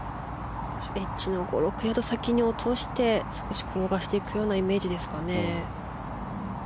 エッジの５６ヤード先に落として少し転がしていくようなイメージですかね。